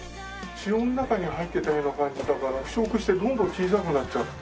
塩の中に入っていたような感じだから腐食してどんどん小さくなっちゃって。